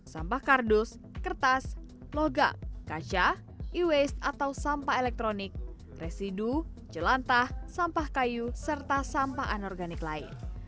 sampah kardus kertas logam kaca e waste atau sampah elektronik residu jelantah sampah kayu serta sampah anorganik lain